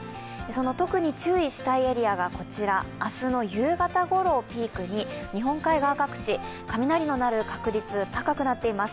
特に注意したいエリアがこちら、明日の夕方ころをピークに日本海側各地、雷の鳴る確率、高くなっています。